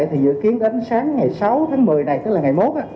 thì dự kiến đến sáng ngày sáu tháng một mươi này tức là ngày một